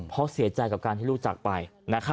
เพราะเสียใจกับการที่ลูกจากไป